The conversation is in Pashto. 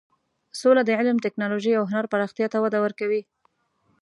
سوله د علم، ټکنالوژۍ او هنر پراختیا ته وده ورکوي.